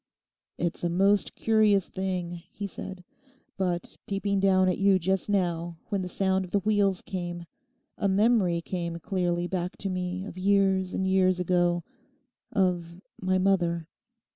'It's a most curious thing,' he said, 'but peeping down at you just now when the sound of the wheels came, a memory came clearly back to me of years and years ago—of my mother.